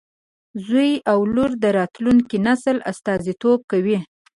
زوی او لور د راتلونکي نسل استازیتوب کوي.